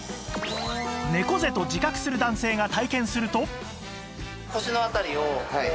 猫背と自覚する男性が体験すると